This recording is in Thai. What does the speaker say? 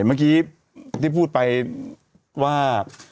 เมื่อกี้ที่พูดไปว่า